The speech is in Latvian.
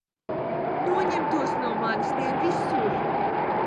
Noņem tos no manis, tie ir visur!